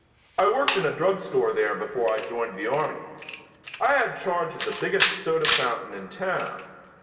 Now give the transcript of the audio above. I worked in a drug store there before I joined the army. I had charge of the biggest soda fountain in town.